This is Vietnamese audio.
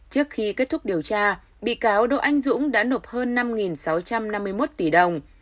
trước khi kết thúc điều tra bị cáo đỗ anh dũng đã nộp hơn năm sáu trăm năm mươi một tỷ đồng